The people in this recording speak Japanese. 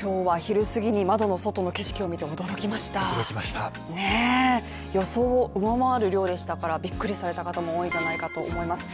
今日は昼過ぎに窓の外の景色を見て驚きました予想を上回る量でしたからびっくりされた方も多いんじゃないかと思います